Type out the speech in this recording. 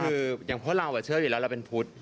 คืออย่างพวกเราเชื่ออยู่แล้วเราเป็นพุทธ